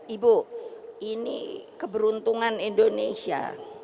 ibu ini keberuntungan indonesia